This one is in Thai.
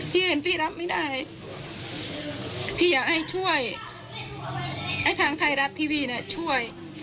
เห็นพี่รับไม่ได้พี่อยากให้ช่วยให้ทางไทยรัฐทีวีเนี่ยช่วย